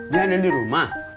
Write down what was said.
dia ada di rumah